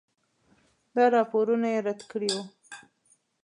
دا راپورونه یې رد کړي وو.